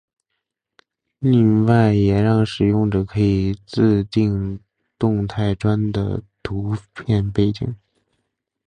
另外也让使用者可以自订动态砖的背景图片。